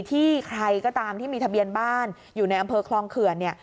ที่ใครก็ตามที่มีทะเบียนบ้านอยู่ในอำเภอคลองเขื่อนเนี่ย